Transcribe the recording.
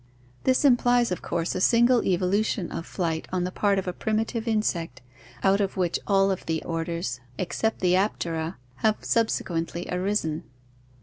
This implies of course a single evolution of flight on the part of a primi tive insect out of which all of the orders, except the Aptera, have subsequently arisen.